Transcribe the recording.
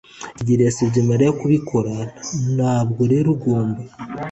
Kigeri yasabye Mariya kubikora, ntabwo rero ugomba.